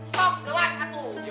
dua porsi bang ojo